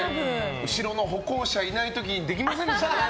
後ろの歩行者いない時にできませんでしたかね。